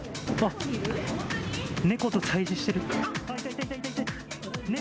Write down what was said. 猫と対じしてる。